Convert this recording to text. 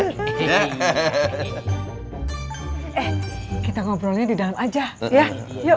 eh kita ngobrolnya di dalam aja ya yuk